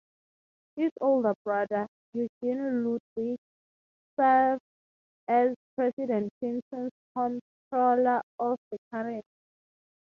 His older brother, Eugene Ludwig served as President Clinton's Comptroller of the Currency.